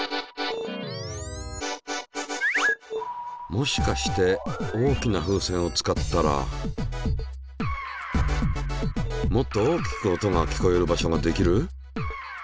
もしかして大きな風船を使ったらもっと大きく音が聞こえる場所ができる？